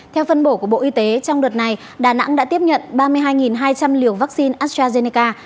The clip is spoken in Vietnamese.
theo phân bổ của bộ y tế trong đợt này đà nẵng đã tiếp nhận ba mươi hai hai trăm linh liều vaccine astrazeneca